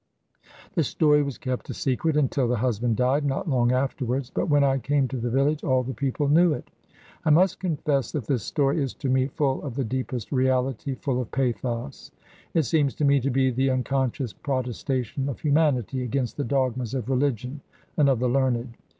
The story was kept a secret until the husband died, not long afterwards; but when I came to the village all the people knew it. I must confess that this story is to me full of the deepest reality, full of pathos. It seems to me to be the unconscious protestation of humanity against the dogmas of religion and of the learned.